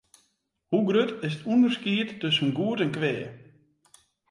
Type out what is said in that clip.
Hoe grut is it ûnderskied tusken goed en kwea?